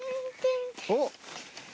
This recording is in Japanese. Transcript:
おっ。